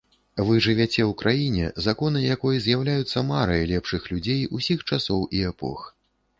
Вы жывяце ў краіне, законы якой з'яўляюцца марай лепшых людзей усіх часоў і эпох.